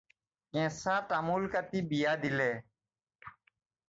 কেঁচা তামোল কাটি বিয়া দিলে।